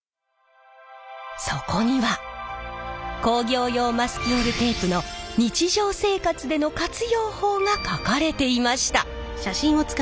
そこには工業用マスキングテープの日常生活での活用法が書かれていました。